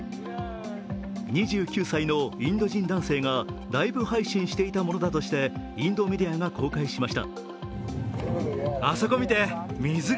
２９歳のインド人男性がライブ配信していたものだとしてインドメディアが公開しました。